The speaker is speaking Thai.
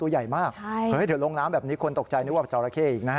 ใหญ่มากเดี๋ยวลงน้ำแบบนี้คนตกใจนึกว่าจอราเข้อีกนะฮะ